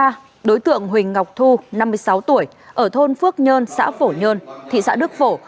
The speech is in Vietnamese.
năm hai nghìn hai mươi ba đối tượng huỳnh ngọc thu năm mươi sáu tuổi ở thôn phước nhơn xã phổ nhơn thị xã đức phổ